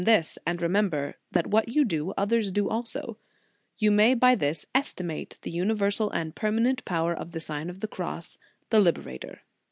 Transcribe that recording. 196 The Sign of the Cross and remember that what you do, others do also; you may by this estimate the universal and permanent power of the Sign of the Cross, the liberator.